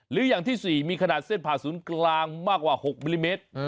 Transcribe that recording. หรืออย่างที่๔มีขนาดเส้นผ่าศูนย์กลางมากกว่า๖มิลลิเมตร